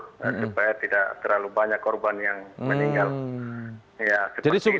supaya tidak terlalu banyak korban yang meninggal